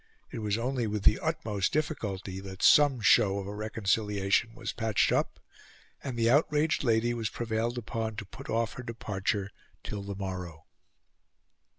It was only with the utmost difficulty that some show of a reconciliation was patched up, and the outraged lady was prevailed upon to put off her departure till the morrow.